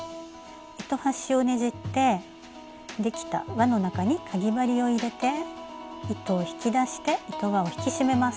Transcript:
糸端をねじってできた輪の中にかぎ針を入れて糸を引き出して糸輪を引き締めます。